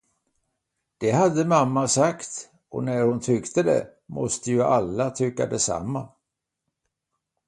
Det hade mamma sagt, och när hon tyckte det, måste ju alla tycka detsamma.